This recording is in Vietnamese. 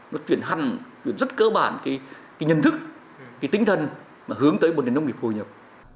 nó chuyển hành được rất cơ bản cái nhận thức cái tinh thần mà hướng tới nông nghiệp hồi nhập